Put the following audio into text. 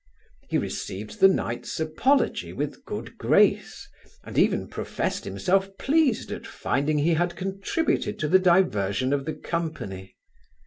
He received the knight's apology with good grace, and even professed himself pleased at finding he had contributed to the diversion of the company.